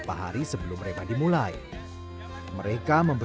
pada saat ke settle di wilayah babe